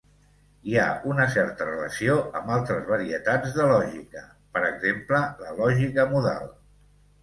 Hi ha una certa relació amb altres varietats de lògica, per exemple, la lògica modal.